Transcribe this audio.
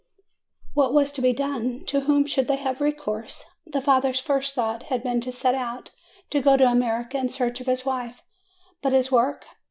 What was to be done? To whom should they have recourse? The father's first thought had been to set out, to go to America in search of his wife. But his work?